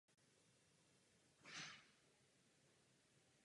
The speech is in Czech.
Vyjdeme-li z předvolební kampaně, pochopíme, co to všechno znamená.